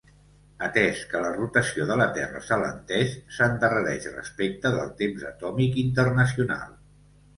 Atès que la rotació de la Terra s'alenteix, s'endarrereix respecte del temps atòmic internacional.